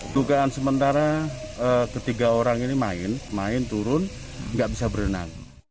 dugaan sementara ketiga orang ini main main turun nggak bisa berenang